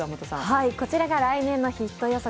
こちらが来年のヒット予測